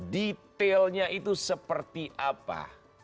detailnya itu seperti apa